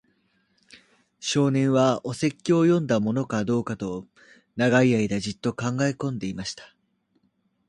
少年は、お説教を読んだものかどうかと、長い間じっと考えこんでいました。